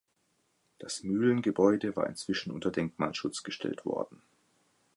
Das Mühlengebäude war inzwischen unter Denkmalschutz gestellt worden.